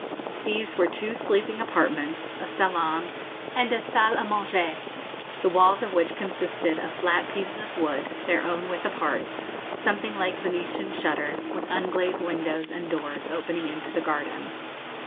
These were two sleeping apartments, a salon, and a salle à manger, the walls of which consisted of flat pieces of wood, their own width apart, something like Venetian shutters, with unglazed windows and doors opening into the garden.